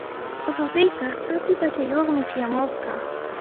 Ususiykiqa api p'achayuqmi chayamusqa.